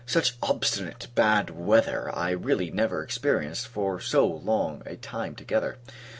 Such obstinate bad weather I really never experienced, for so long a time together.